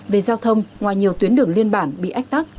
về giao thông ngoài nhiều tuyến đường liên bản bị ách tắc